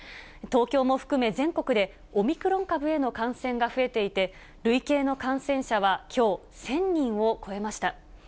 東京も含め全国でオミクロン株への感染が増えていて、累計の感染者はきょう、１０００人を超えました。